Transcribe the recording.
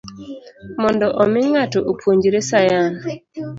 Mondo omi ng'ato opuonjre sayan